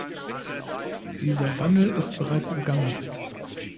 Dieser Wandel ist bereits im Gange.